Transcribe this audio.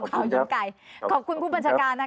ขอบคุณครับขอบคุณครับขอบคุณผู้บัญชาการนะคะ